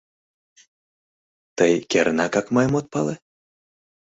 Тый кернакак мыйым от пале?